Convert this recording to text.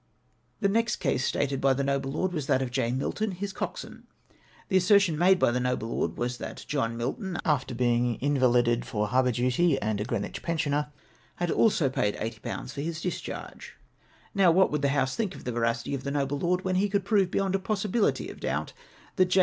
" The next case stated by the noble lord was that of J. IMilton, his coxswain. The assertion made by the noble lord was, that John jMilton, after being invalided for harbour duty, and a Greenwich pensioner, had also paid 80/. for his dis charge. "Now, what would the House think of the veracity of the noble lord when he could prove beyond a possibility of doubt that J.